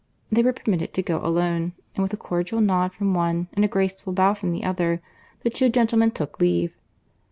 They were permitted to go alone; and with a cordial nod from one, and a graceful bow from the other, the two gentlemen took leave.